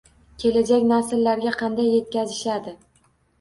Kelajak nasllarga qanday yetkazishadi?